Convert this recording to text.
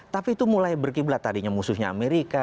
tapi itu mulai berkiblat tadinya musuhnya amerika